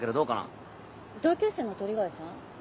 同級生の鳥貝さん？